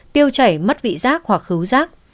tiêu chảy mất vị giác hoặc khứu giác